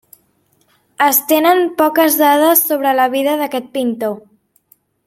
Es tenen poques dades sobre la vida d'aquest pintor.